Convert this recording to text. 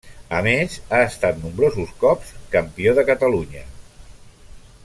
A més ha estat nombrosos cops campió de Catalunya.